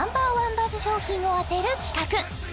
バズ商品を当てる企画